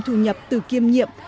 thủ nhập từ kiêm nhiệm